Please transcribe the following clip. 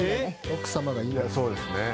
奥様がいいんです。